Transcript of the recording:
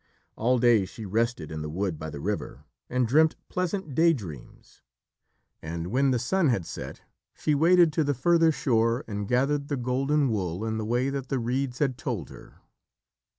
All day she rested in the wood by the river and dreamt pleasant day dreams, and when the sun had set she waded to the further shore and gathered the golden wool in the way that the reeds had told her.